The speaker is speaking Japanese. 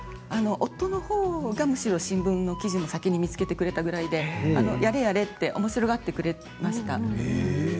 夫のほうがむしろ新聞の記事も先に見つけてくれたぐらいで、やれやれっておもしろがってくれました。